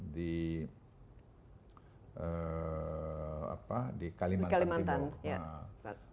di kalimantan timur